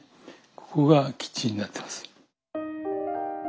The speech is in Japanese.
ここがキッチンになってます。